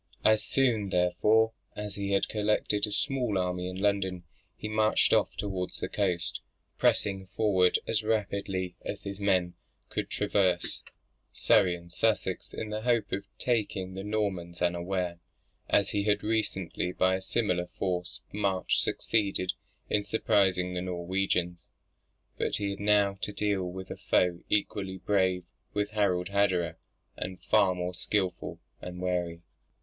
As soon therefore, as he had collected a small army in London, he marched off towards the coast: pressing forward as rapidly as his men could traverse Surrey and Sussex in the hope of taking the Normans unawares, as he had recently by a similar forced march succeeded in surprising the Norwegians. But he had now to deal with a foe equally brave with Harald Hardrada, and far more skilful and wary.